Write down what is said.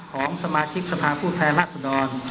ของสมาชิกสภาพผู้แทนรัศดร